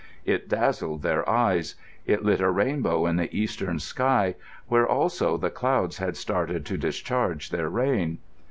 It dazzled their eyes. It lit a rainbow in the eastern sky, where also the clouds had started to discharge their rain.